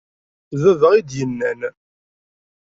D baba iyi-d-yennan